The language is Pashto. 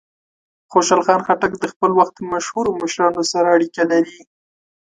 خوشحال خان خټک د خپل وخت د مشهورو مشرانو سره اړیکې لرلې.